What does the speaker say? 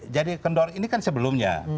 jadi kendor ini kan sebelumnya